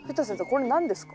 これ何ですか？